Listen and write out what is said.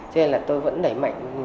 cho nên là tôi vẫn đẩy mạnh